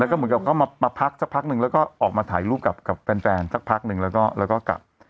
แล้วก็เหมือนอยากมาพักสักพักนึงแล้วก็ออกมาถ่ายรูปกับแฟนแล้วก็กลับ